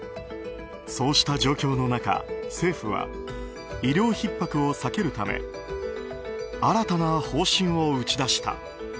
そうした状況の中、政府は医療ひっ迫を避けるため新たな方針を打ち出した。